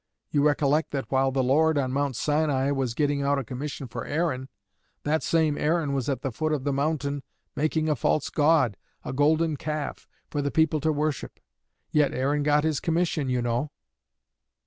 You recollect that while the Lord on Mount Sinai was getting out a commission for Aaron, that same Aaron was at the foot of the mountain making a false god, a golden calf, for the people to worship; yet Aaron got his commission, you know."